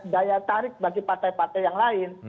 daya tarik bagi partai partai yang lain